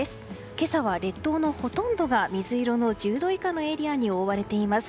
今朝は、列島のほとんどが水色の、１０度以下のエリアに覆われています。